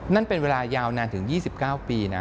นั่นเป็นเวลายาวนานถึง๒๙ปีนะ